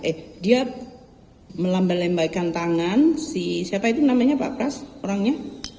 eh dia melambai lembaikan tangan si siapa itu namanya pak pras orangnya